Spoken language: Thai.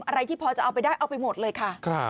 ที่พอจะเอาไปได้เอาไปหมดเลยค่ะ